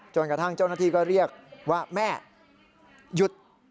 จนกระทั่งเจ้าหน้าที่ก็เรียกว่าแม่หยุด